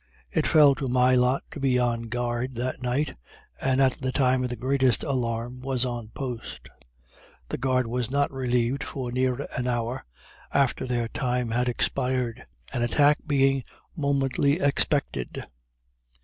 It fell to my lot to be on guard that night, and at the time of the greatest alarm was on post; the guard was not relieved for near an hour after their time had expired an attack being momently expected.